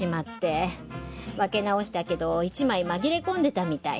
分け直したけど１枚紛れ込んでたみたい。